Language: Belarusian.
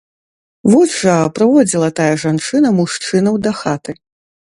Вось жа, прыводзіла тая жанчына мужчынаў дахаты.